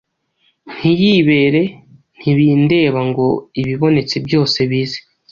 ntiyibere “Ntibindeba” ngo ibibonetse byose bize